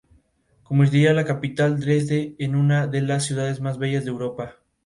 Las tierras de realengo.